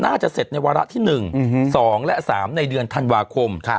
เสร็จในวาระที่๑๒และ๓ในเดือนธันวาคม